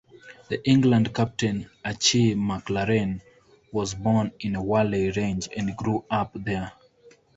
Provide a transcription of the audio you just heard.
The England captain, Archie MacLaren, was born in Whalley Range and grew up there.